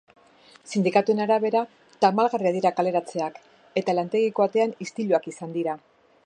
Sindikatuen arabera, tamalgarriak dira kaleratzeak, eta lantegiko atean istiluak izan dira.